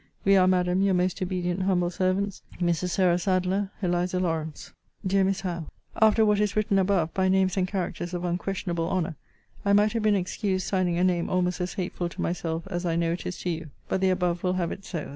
We are, Madam, Your most obedient humble servants, M. SARAH SADLEIR. ELIZ. LAWRANCE. DEAR MISS HOWE, After what is written above, by names and characters of unquestionable honour, I might have been excused signing a name almost as hateful to myself, as I KNOW it is to you. But the above will have it so.